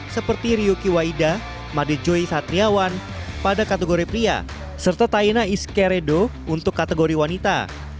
seperti ryuki waida madejoy satriawan pada kategori pria serta taena iskeredo untuk kategori wanita